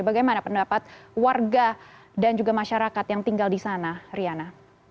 bagaimana pendapat warga dan juga masyarakat yang tinggal di sana riana